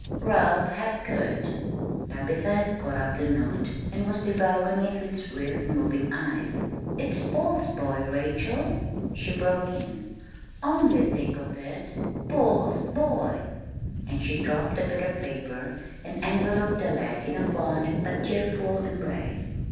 "Ralph Hapgood." Tabitha had caught up the note and was devouring it with swift moving eyes. "It's Paul's boy, Rachel," she broke in, "only think of it Paul's boy!" and she dropped the bit of paper and enveloped the lad in a fond but tearful embrace.